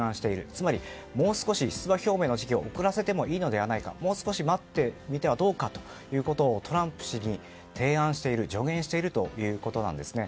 つまりもう少し出馬表明の時期を遅らせてもいいのではないかもう少し待ってもいいのではないかとトランプ氏に提案している助言しているということですね。